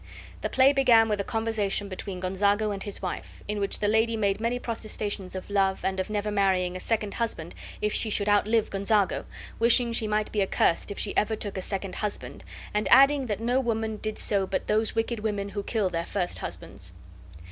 The play began with a conversation between Gonzago and his wife, in which the lady made many protestations of love, and of never marrying a second husband if she should outlive Gonzago, wishing she might be accursed if she ever took a second husband, and adding that no woman did so but those wicked women who kill their first husbands.